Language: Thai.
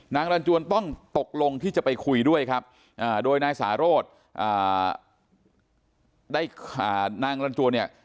นางรันจวนต้องตกลงที่จะไปคุยด้วยครับโดยนายสาโรธได้นางรันจวนเนี่ย